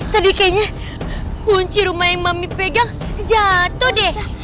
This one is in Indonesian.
tadi kayaknya kunci rumah yang mami pegang jatuh deh